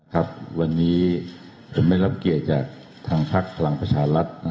ครับวันนี้ผมได้รับเกียรติจากทางพักพลังประชารัฐ